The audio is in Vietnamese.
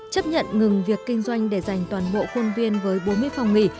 chấp nhận ngừng việc kinh doanh để dành toàn bộ khuôn viên với bốn mươi phòng nghỉ